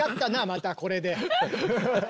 またこれで。